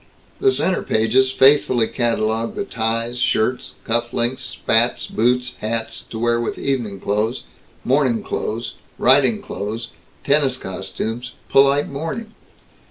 The center pages faithfully catalogued the ties, shirts, cuff links, spats, boots, hats, to wear with evening clothes, morning clothes, riding clothes, tennis costumes, polite mourning.